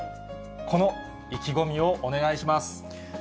この意気込みをお願いします。